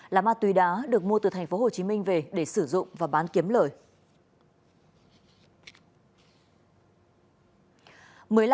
là ma túy đá được mua từ tp hcm về để sử dụng và bán kiếm lời